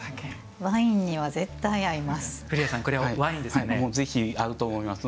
ワインには絶対合います。